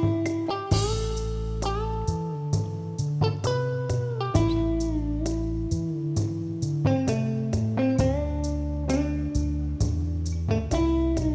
มีมุม